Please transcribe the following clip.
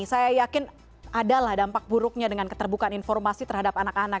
saya yakin adalah dampak buruknya dengan keterbukaan informasi terhadap anak anak